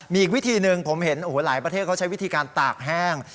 มีอีกวิธีหนึ่งผมเห็นโอ้โหหลายประเทศเขาใช้วิธีการตากแห้ง